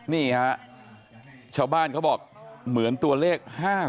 นี่ฮะชาวบ้านเขาบอกเหมือนตัวเลข๕๖